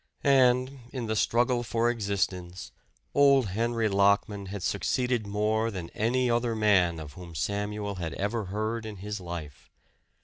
And in the "struggle for existence" old Henry Lockman had succeeded more than any other man of whom Samuel had ever heard in his life.